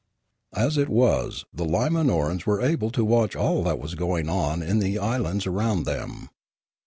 As it was, the Limanorans were able to watch all that was going on in the islands around them.